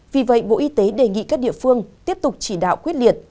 vì vậy bộ y tế đề nghị các địa phương tiếp tục chỉ đạo quyết liệt